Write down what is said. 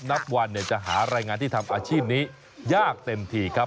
นับวันจะหารายงานที่ทำอาชีพนี้ยากเต็มทีครับ